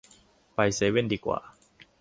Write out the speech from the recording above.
ไปเซเว่นดีกว่า